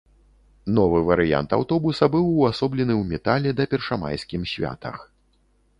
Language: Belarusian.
Новы варыянт аўтобуса быў увасоблены ў метале да першамайскім святах.